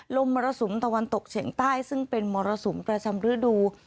มรสุมตะวันตกเฉียงใต้ซึ่งเป็นมรสุมประจำฤดู